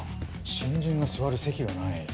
新人が座る席がない。